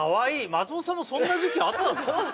松本さんもそんな時期あったんですか